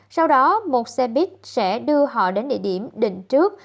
sau đó một xe buýt sẽ đưa họ đến địa điểm định trước